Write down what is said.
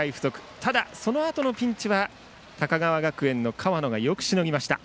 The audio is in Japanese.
ただ、そのあとのピンチは高川学園の河野がよくしのぎました。